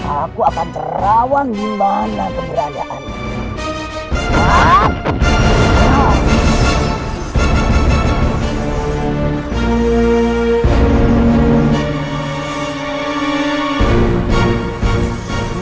aku akan terawan dimana keberadaannya